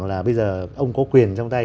là bây giờ ông có quyền trong tay